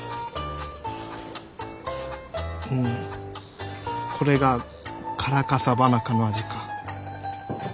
んこれがカラカサバナ科の味か。